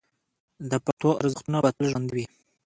د پښتنو ارزښتونه به تل ژوندي وي.